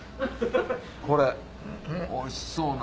これおいしそうな。